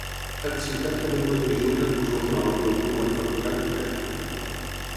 Cada ciutat també produeix un recurs natural o producte manufacturat diferent.